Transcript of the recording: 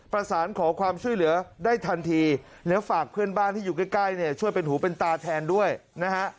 ประสานขอความช่วยเหลือได้ทันทีแล้วฝากเพื่อนบ้านที่อยู่ใกล้เนี่ยช่วยเป็นหูเป็นตาแทนด้วยนะฮะ